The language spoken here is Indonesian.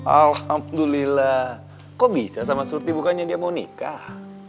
alhamdulillah kok bisa sama surti bukannya dia mau nikah